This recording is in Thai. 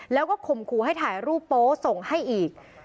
แล้วก็ข่มขู่ให้ถ่ายรูปโป๊ส่งให้อีก